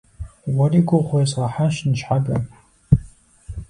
Уэри гугъу уезгъэхьащ ныщхьэбэ.